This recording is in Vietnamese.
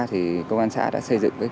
thì công an xã đã xây dựng kế hoạch